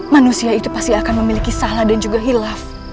manusia itu pasti akan memiliki salah dan juga hilaf